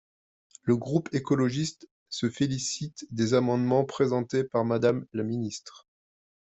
Le groupe écologiste se félicite des amendements présentés par Madame la ministre.